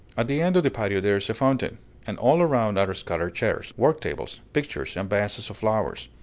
At the end of the patio there is a fountain; and all around are scattered chairs, work tables, pictures, and vases of flowers.